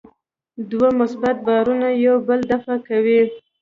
دوه مثبت بارونه یو بل دفع کوي.